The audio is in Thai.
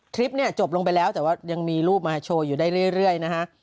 คลิปเนี่ยจบลงไปแล้วแต่ว่ายังมีรูปมาโชว์อยู่ได้เรื่อยนะฮะ